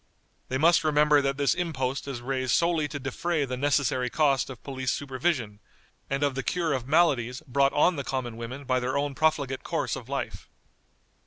They must remember that this impost is raised solely to defray the necessary cost of police supervision, and of the cure of maladies brought on the common women by their own profligate course of life."